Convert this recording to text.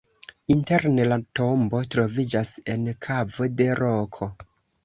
Interne la tombo troviĝas en kavo de roko.